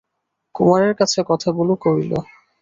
কুমারের কাছে কথাগুলো কইল।